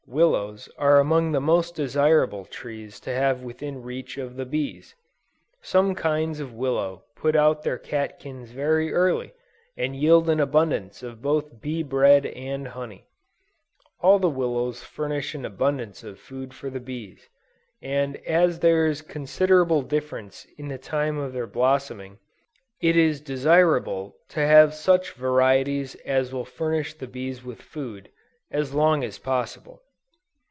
Willows are among the most desirable trees to have within reach of the bees: some kinds of willow put out their catkins very early, and yield an abundance of both bee bread and honey. All the willows furnish an abundance of food for the bees; and as there is considerable difference in the time of their blossoming, it is desirable to have such varieties as will furnish the bees with food, as long as possible.